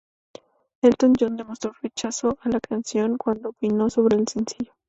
Elton John demostró rechazo a la canción cuando opinó sobre el sencillo.